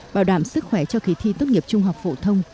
bảo đảm sức khỏe cho kỳ thi tốt nghiệp trung học phổ thông